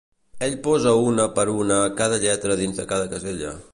Ell posa una per una cada lletra dins de cada casella.